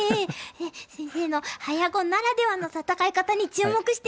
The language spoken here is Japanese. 先生の早碁ならではの戦い方に注目しています！